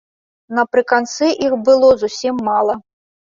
Напрыканцы іх было зусім мала.